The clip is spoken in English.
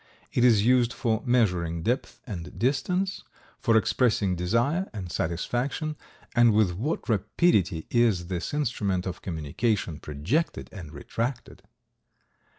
It is used for measuring depth and distance, for expressing desire and satisfaction; and with what rapidity is this instrument of communication projected and retracted!